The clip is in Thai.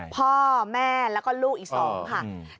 พ่อแม่แล้วก็ลูกอีก๒ค่ะ